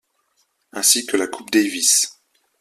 Ainsi que de la Coupe Davis.